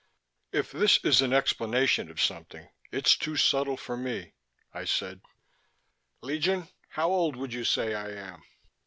] "If this is an explanation of something, it's too subtle for me," I said. "Legion, how old would you say I am?"